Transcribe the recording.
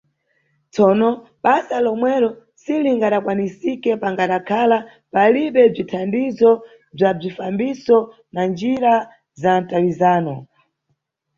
Tsono basa lomwero si lingadakwanisike pangadakhala palibe bzithandizo bza bzifambiso na njira za mtawizano.